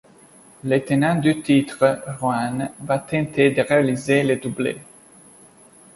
Le tenant du titre, Roanne, va tenter de réaliser le doublé.